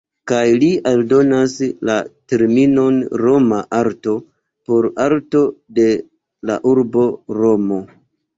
Kaj li aldonas la terminon "Roma arto", por arto de la urbo Romo.